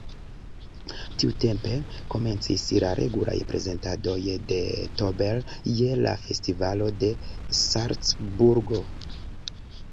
Tiutempe komencis la regulaj prezentadoj de Tauber je la Festivalo de Salcburgo.